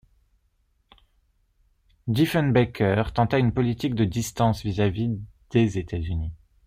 Diefenbaker tenta une politique de distance vis-à-vis les États-Unis.